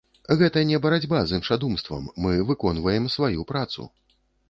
Гэта не барацьба з іншадумствам, мы выконваем сваю працу.